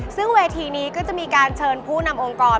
ซึ่งเวทีนี้ก็จะมีการเชิญผู้นำองค์กร